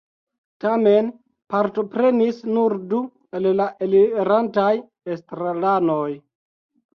Tamen partoprenis nur du el la elirantaj estraranoj.